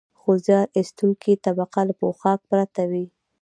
خو زیار ایستونکې طبقه له پوښاک پرته وي